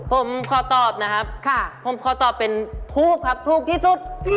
ผมขอตอบนะครับผมขอตอบเป็นทูบครับถูกที่สุด